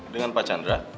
dengan pak chandra